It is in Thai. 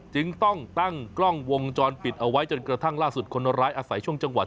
จึงต้องตั้งกล้องวงจรปิดเอาไว้จนกระทั่งล่าสุดคนร้ายอาศัยช่วงจังหวัด